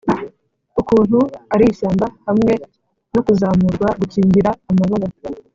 ukuntu ari ishyamba hamwe no kuzamurwa, gukingira amababa: